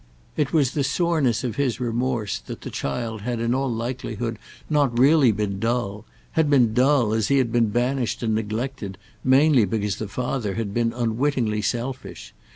It was the soreness of his remorse that the child had in all likelihood not really been dull—had been dull, as he had been banished and neglected, mainly because the father had been unwittingly selfish.